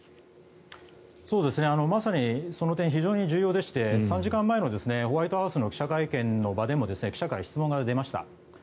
まさにその点非常に重要でして３時間前のホワイトハウスの記者会見の場でも記者から質問が出ました。